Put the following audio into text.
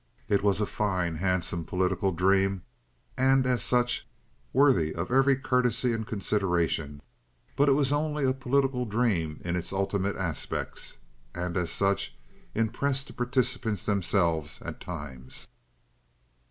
It was a fine, handsome political dream, and as such worthy of every courtesy and consideration but it was only a political dream in its ultimate aspects, and as such impressed the participants themselves at times.